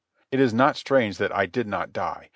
It is not strange that I did not die.